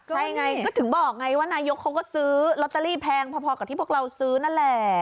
ใช่ไงก็ถึงบอกไงว่านายกเขาก็ซื้อลอตเตอรี่แพงพอกับที่พวกเราซื้อนั่นแหละ